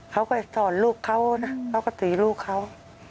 เขาก็สอนลูกเขานะเขาก็ตีลูกเขา